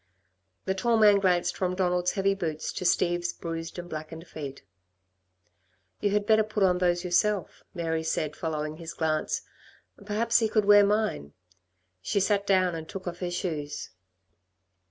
The tall man glanced from Donald's heavy boots to Steve's bruised and blackened feet. "You had better put on those yourself," Mary said, following his glance, "perhaps he could wear mine." She sat down and took off her shoes.